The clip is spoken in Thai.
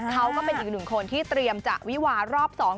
ก็เป็นอีกหนึ่งคนที่เตรียมจะวิวารอบสอง